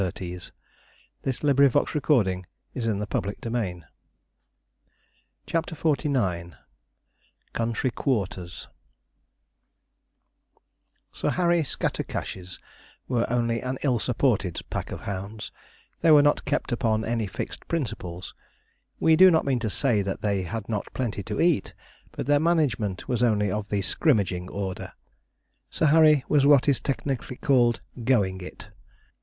It was all that little brat! thought he. CHAPTER XLIX COUNTRY QUARTERS [Illustration: LADY SCATTERCASH] Sir Harry Scattercash's were only an ill supported pack of hounds; they were not kept upon any fixed principles. We do not mean to say that they had not plenty to eat, but their management was only of the scrimmaging order. Sir Harry was what is technically called 'going it.'